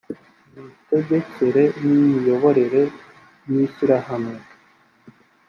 imitegekere n’imiyoborere y’ishyirahamwe